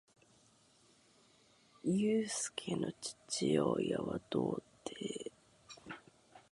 ゆうすけの父親は童貞